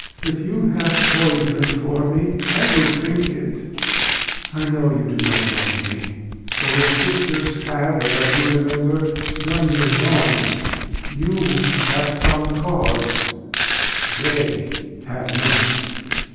If you have poison for me, I will drink it. I know you do not love me; for your sisters Have, as I do remember, done me wrong. You have some cause, they have not.